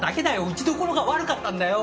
打ちどころが悪かったんだよ。